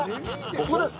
ここです。